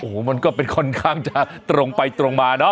โอ้โหมันก็เป็นค่อนข้างจะตรงไปตรงมาเนอะ